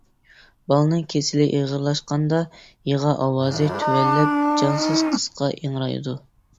بالىنىڭ كېسىلى ئېغىرلاشقاندا، يىغا ئاۋازى تۆۋەنلەپ جانسىز قىسقا ئىڭرايدۇ.